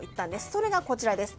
それがこちらです。